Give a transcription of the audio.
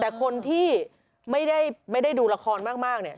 แต่คนที่ไม่ได้ดูละครมากแยกไม่ออก